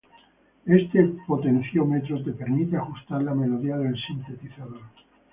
Este potenciómetro te permite ajustar la melodía del sintetizador.